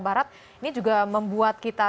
barat ini juga membuat kita